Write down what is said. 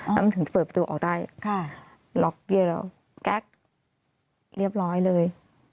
แล้วมันถึงจะเปิดประตูออกได้ล็อกเกียร์แล้วแก๊กเรียบร้อยเลย